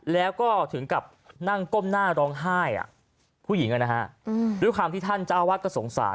แล้วก็ถึงกับนั่งก้มหน้าร้องไห้ผู้หญิงด้วยความที่ท่านเจ้าอาวาสก็สงสาร